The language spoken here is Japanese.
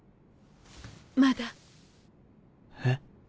まだ。えっ？